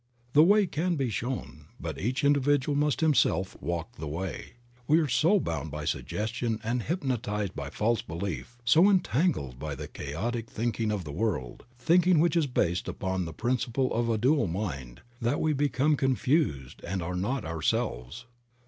The way can be shown, but each individual must him self walk the way. We are so bound by suggestion and hypnotized by false belief, so entangled by the chaotic think ing of the world, thinking which is based upon the principle of a dual mind, that we become confused and are not our selves.